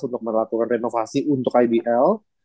untuk melakukan renovasi untuk ibl